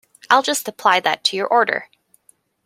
I'll just apply that to your order.